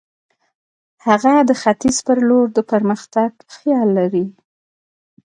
هغه د ختیځ پر لور د پرمختګ خیال لري.